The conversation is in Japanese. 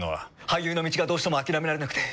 俳優の道がどうしても諦められなくて。